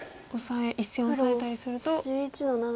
１線オサえたりすると。